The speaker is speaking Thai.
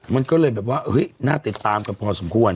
มันก็เลยแบบว่าน่าติดตามกันพอสมควร